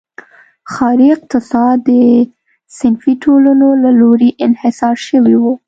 ښاري اقتصاد د صنفي ټولنو له لوري انحصار شوی و.